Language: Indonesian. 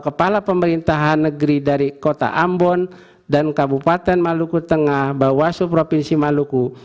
kepala pemerintahan negeri dari kota ambon dan kabupaten maluku tengah bawaslu provinsi maluku